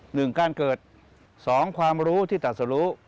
หนึ่งการเกิดสองความรู้ที่ตัดสรุ